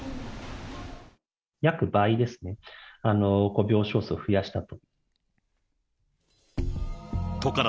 約倍ですね、病床数を増やしたと。